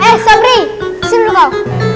eh sabri sini dulu kau